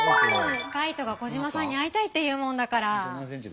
カイトがコジマさんに会いたいっていうもんだから。